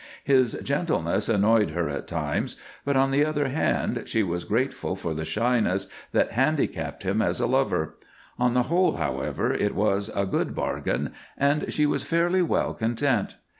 His gentleness annoyed her at times, but, on the other hand, she was grateful for the shyness that handicapped him as a lover. On the whole, however, it was a good bargain, and she was fairly well content.